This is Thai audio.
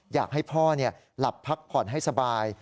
อยากให้พ่อหลับพักผ่อนให้สบาย